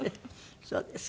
そうですか。